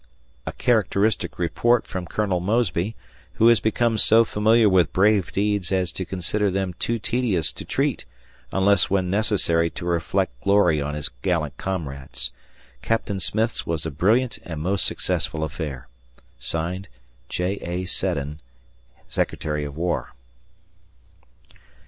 A characteristic report from Colonel Mosby, who has become so familiar with brave deeds as to consider them too tedious to treat unless when necessary to reflect glory on his gallant comrades. Captain Smith's was a brilliant and most successful affair. J. A. Seddon, Secretary of War.